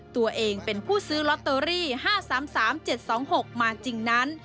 ตัวเองเป็นผู้ซื้อลอตเตอรี่๕๓๓๗๒๖มาจริงนั้น